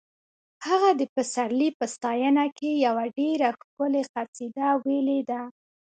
هغه د پسرلي په ستاینه کې یوه ډېره ښکلې قصیده ویلې ده